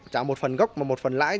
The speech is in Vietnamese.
trả một phần gốc và một phần lãi